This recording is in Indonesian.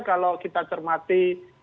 kalau kita cermati